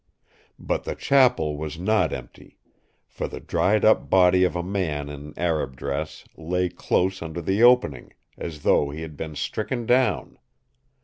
"But the Chapel was not empty; for the dried up body of a man in Arab dress lay close under the opening, as though he had been stricken down.